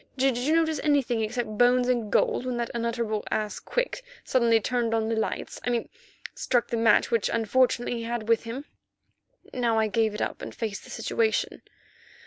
Did you notice anything except bones and gold when that unutterable ass, Quick, suddenly turned on the lights—I mean struck the match which unfortunately he had with him." Now I gave it up and faced the situation.